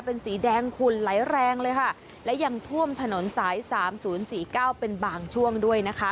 เป็นสีแดงขุ่นไหลแรงเลยค่ะและยังท่วมถนนสายสามศูนย์สี่เก้าเป็นบางช่วงด้วยนะคะ